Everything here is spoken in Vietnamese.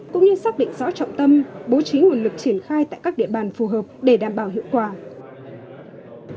cũng như xác định rõ trọng tâm bố trí nguồn lực triển khai tại các địa bàn phù hợp để đảm bảo hiệu quả